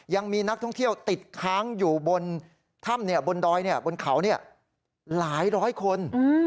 ยังมีนักท่องเที่ยวติดค้างอยู่บนถ้ำบนดอยบนเขาหลายร้อยคน